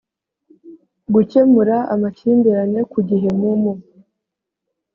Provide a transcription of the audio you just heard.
gukemura amakimbirane ku gihe mu mu